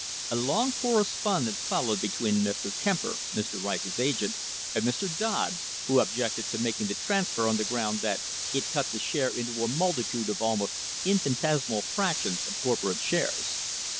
A long correspondence followed between Mr. Kemper, Mr. Rice's agent, and Mr. Dodd, who objected to making the transfer on the ground that it cut the share into a "multitude of almost infinitesimal frac tions of corporate shares."